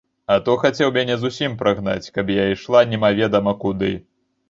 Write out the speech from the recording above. А то хацеў мяне зусім прагнаць, каб я ішла немаведама куды.